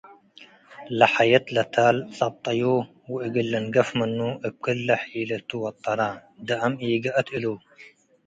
ለሐየት ለታል ጸብጠዩ ወእግል ልንገፍ ምኑ' እብ ክለ ሒለቱ ወጠ'ነ፡ ደአም ኢገአት እሉ።